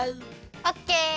オッケー！